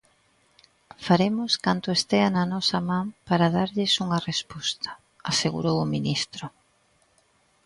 "Faremos canto estea na nosa man para darlles unha resposta", asegurou o ministro.